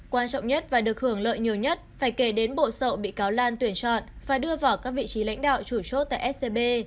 quan trọng nhất và được hưởng lợi nhiều nhất phải kể đến bộ sậu bị cáo lan tuyển chọn và đưa vào các vị trí lãnh đạo chủ chốt tại scb